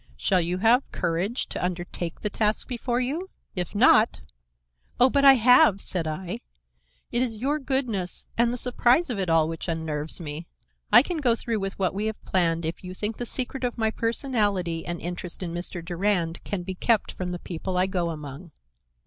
"Shall you have courage to undertake the task before you? If not—" "Oh, but I have," said I. "It is your goodness and the surprise of it all which unnerves me. I can go through what we have planned if you think the secret of my personality and interest in Mr. Durand can be kept from the people I go among."